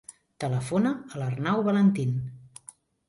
Telefona a l'Arnau Valentin.